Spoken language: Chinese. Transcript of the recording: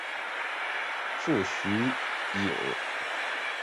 父徐灏。